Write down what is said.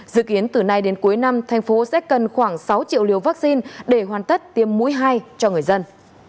dự kiến từ nay đến cuối năm thành phố sẽ cần khoảng sáu triệu liều vaccine để hoàn tất tiêm mũi hai cho người dân